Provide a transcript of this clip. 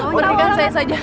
berikan saya saja